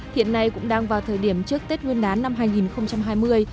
hiện nay cũng đang vào thời điểm trước tết nguyên đán năm hai nghìn hai mươi